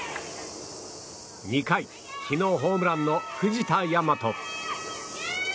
２回、昨日ホームランの藤田倭。